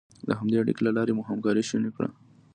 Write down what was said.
د همدې اړیکې له لارې مو همکاري شونې کړه.